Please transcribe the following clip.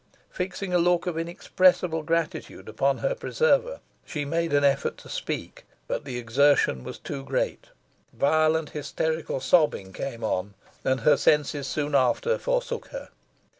Fixing a look of inexpressible gratitude upon her preserver, she made an effort to speak, but the exertion was too great; violent hysterical sobbing came on, and her senses soon after forsook her.